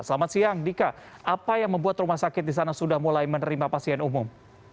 selamat siang dika apa yang membuat rumah sakit di sana sudah mulai menerima pasien umum